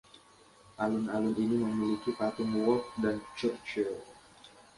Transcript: Alun-alun ini memiliki patung Wolfe dan Churchill.